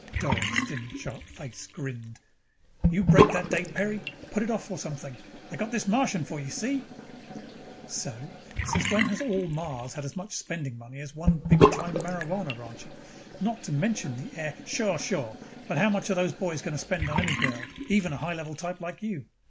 Doran's thin sharp face grinned. "You break that date, Peri. Put it off or something. I got this Martian for you, see?" "So? Since when has all Mars had as much spending money as one big time marijuana rancher? Not to mention the heir ap " "Sure, sure. But how much are those boys going to spend on any girl, even a high level type like you?